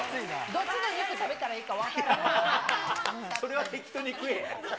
どっちの肉食べたらいいか分それは適当に食えや。